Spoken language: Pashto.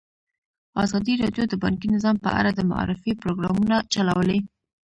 ازادي راډیو د بانکي نظام په اړه د معارفې پروګرامونه چلولي.